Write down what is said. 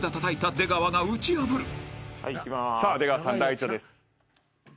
出川さん第１打です。